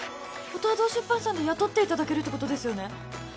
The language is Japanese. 音羽堂出版さんで雇っていただけるってことですよね